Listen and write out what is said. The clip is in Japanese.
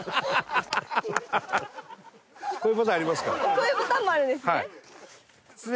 こういうパターンもあるんですね。